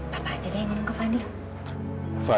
pak papa aja dia yang nunggu fadil